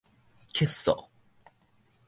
激素